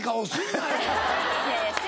いやいや。